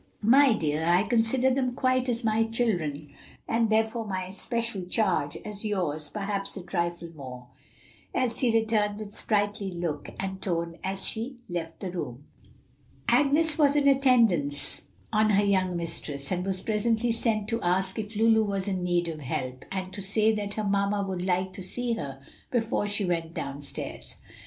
"My dear, I consider them quite as much my children, and therefore my especial charge, as yours, perhaps a trifle more," Elsie returned with sprightly look and tone as she left the room. Agnes was in attendance on her young mistress, and was presently sent to ask if Lulu was in need of help, and to say that her mamma would like to see her before she went down stairs.